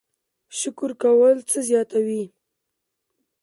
شکر کول څه زیاتوي؟